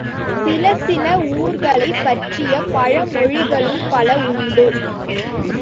சில சில ஊர்களைப் பற்றிய பழமொழிகளும் பல உண்டு.